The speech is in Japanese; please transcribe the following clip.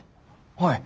はい。